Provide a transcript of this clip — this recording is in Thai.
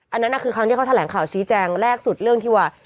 อันนั้นคือครั้งที่เขาแถลงข่าวชี้แจงแรกสุดเรื่องที่ว่า